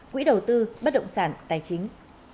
quỹ đầu tư bất động sản tài chính